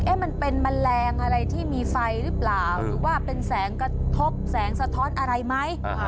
มันเป็นแมลงอะไรที่มีไฟหรือเปล่าหรือว่าเป็นแสงกระทบแสงสะท้อนอะไรไหม